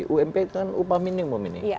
ump itu kan upah minimum ini